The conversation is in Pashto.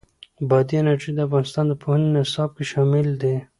بادي انرژي د افغانستان د پوهنې نصاب کې شامل دي.